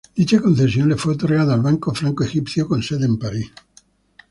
Dicha concesión le fue otorgada al Banco Franco Egipcio con sede en París.